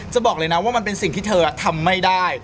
บอกเลยนะว่ามันเป็นสิ่งที่เธอทำไม่ได้